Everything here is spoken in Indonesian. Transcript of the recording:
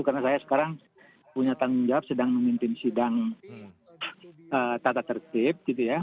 karena saya sekarang punya tanggung jawab sedang memimpin sidang tata tertib gitu ya